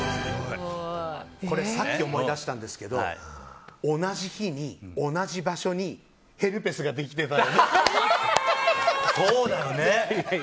これ、さっき思い出したんですけど同じ日に、同じ場所にヘルペスができてた。